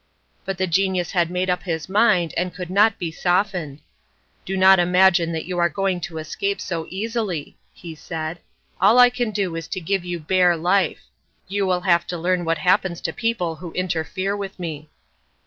But the genius had made up his mind, and could not be softened. "Do not imagine that you are going to escape so easily," he said. "All I can do is to give you bare life; you will have to learn what happens to people who interfere with me."